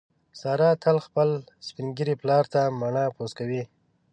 ساره تل خپل سپین ږیري پلار ته مڼه پوست کوي.